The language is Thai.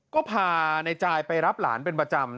ก็พาในจายไปรับหลานเป็นประจำ